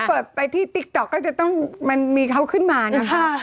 เปิดไปที่ติ๊กต๊อกก็จะต้องมันมีเขาขึ้นมานะคะ